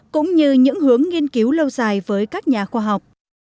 cũng như những hướng nghiên cứu lâu dài với các nhà khoa học